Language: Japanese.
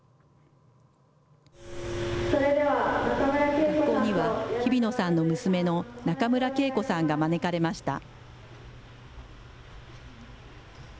学校には、日比野さんの娘の中村桂子さんが招かれました。